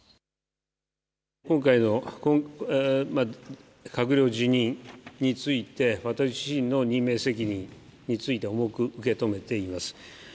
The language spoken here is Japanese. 今回の閣僚辞任について私の任命責任について重く受け止めています。